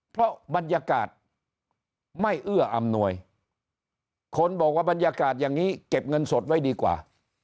เพราะบรรยากาศไม่เอื้ออำนวยคนบอกว่าบรรยากาศอย่างนี้เก็บเงินสดไว้ดีกว่า